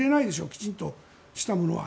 きちんとしたものは。